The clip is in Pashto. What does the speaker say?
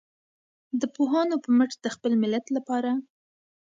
د پوهانو په مټ د خپل ملت لپاره.